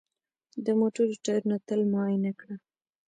د موټر ټایرونه تل معاینه کړه.